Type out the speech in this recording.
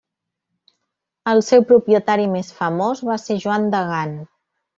El seu propietari més famós va ser Joan de Gant.